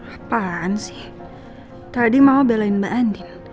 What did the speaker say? apaan sih tadi mau belain mbak andin